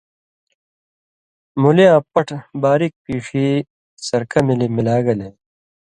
مولی یاں پٹہۡ باریک پیݜی سرکہ ملی ملا گلے